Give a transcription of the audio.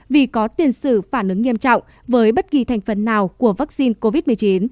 vì có tiền xử phản ứng nghiêm trọng với bất kỳ thành phần nào của vaccine covid một mươi chín